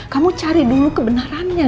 kamu cari dulu kebenarannya